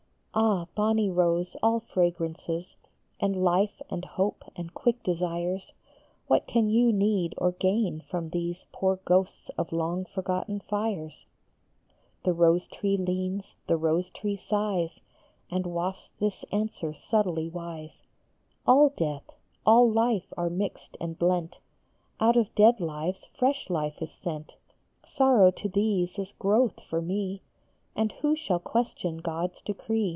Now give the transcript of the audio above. Ah, bonny rose, all fragrances, And life and hope and quick desires, What can you need or gain from these Poor ghosts of long forgotten fires ? The rose tree leans, the rose tree sighs, And wafts this answer subtly wise :" All death, all life are mixed and blent, Out of dead lives fresh life is sent, Sorrow to these is growth for me, And who shall question God s decree?"